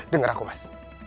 dengar aku mas